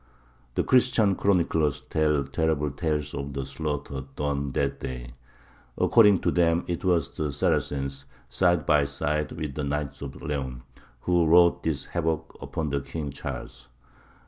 The Christian chroniclers tell terrible tales of the slaughter done that day. According to them it was the Saracens, side by side with the knights of Leon, who wrought this havoc upon King Charles.